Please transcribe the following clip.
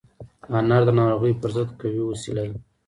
انار د ناروغیو پر ضد قوي وسيله ده.